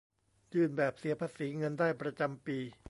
ยื่นแบบเสียภาษีเงินได้ประจำปี